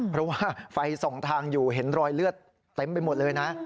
เพราะว่าไฟส่องทางอยู่เห็นรอยเลือดเต็มไปหมดเลยนะ